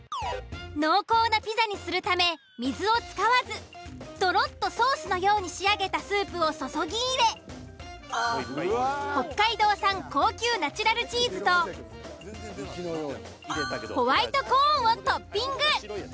濃厚なピザにするため水を使わずどろっとソースのように仕上げたスープを注ぎ入れ北海道産高級ナチュラルチーズとホワイトコーンをトッピング。